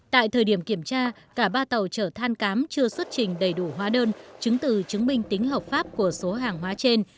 tại thời điểm kiểm tra cả ba tàu chở than cám chưa xuất trình đầy đủ hóa đơn chứng từ chứng minh tính hợp pháp của số hàng hóa trên